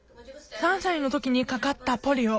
３歳の時にかかったポリオ。